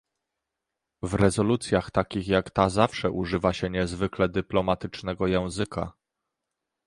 W rezolucjach takich jak ta zawsze używa się niezwykle dyplomatycznego języka